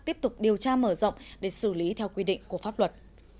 tiếp tục điều tra mở rộng để xử lý theo quy định của pháp luật